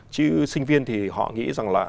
chứ sinh viên thì họ nghĩ rằng là